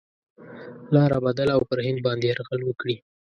لاره بدله او پر هند باندي یرغل وکړي.